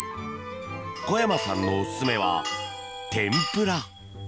小山さんのおすすめは天ぷら。